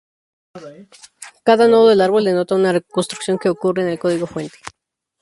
Cada nodo del árbol denota una construcción que ocurre en el código fuente.